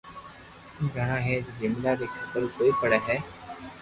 گھِڙا ھي جي جملئ ري خبر ڪوئي پڙي ھي